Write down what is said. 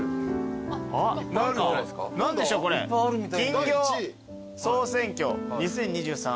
金魚総選挙２０２３。